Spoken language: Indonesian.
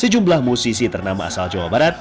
sejumlah musisi ternama asal jawa barat